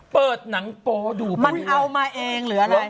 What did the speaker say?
เปิดหนังโป๊ดูมันเอามาเองหรืออะไร